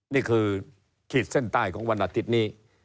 นี่คือขีดเส้นใต้ของวันอาทิตย์นี้